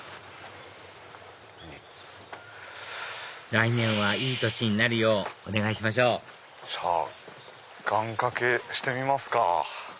来年はいい年になるようお願いしましょうじゃあ願掛けしてみますか。